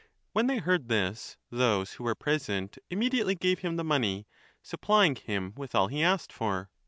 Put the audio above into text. When they heard this, those who were present immediately gave him the money, supplying 5 him with all he asked for.